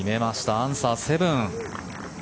アンサー、７。